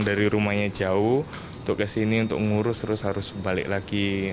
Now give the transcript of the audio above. dari rumahnya jauh untuk kesini untuk ngurus terus harus balik lagi